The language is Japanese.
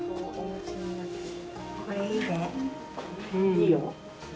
いいよ。